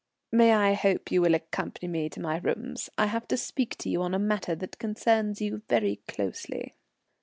"May I hope you will accompany me to my rooms? I have to speak to you on a matter that concerns you very closely."